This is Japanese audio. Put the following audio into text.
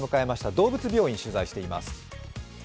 動物病院取材しています。